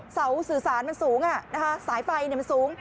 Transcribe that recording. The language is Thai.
เสาสื่อสารมันสูงสายไฟมันสูง